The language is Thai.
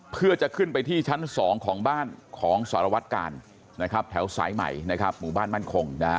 เพื่อจะขึ้นไปที่ชั้น๒ของบ้านของสารวัตกาลนะครับแถวสายใหม่นะครับหมู่บ้านมั่นคงนะฮะ